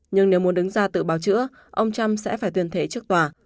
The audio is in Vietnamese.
nhưng nếu muốn đứng ra tự bào chữa ông trump sẽ phải tuyên thệ trước tòa